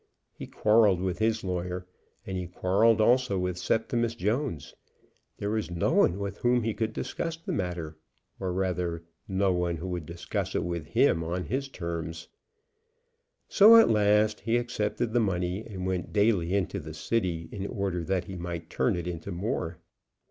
He quarrelled with his lawyer, and he quarrelled also with Septimus Jones. There was no one with whom he could discuss the matter, or rather no one who would discuss it with him on his terms. So at last he accepted the money, and went daily into the City in order that he might turn it into more.